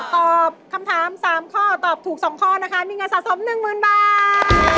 ตอบคำถาม๓ข้อตอบถูก๒ข้อนะคะมีเงินสะสม๑๐๐๐บาท